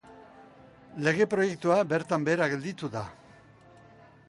Lege proiektua bertan behera gelditu da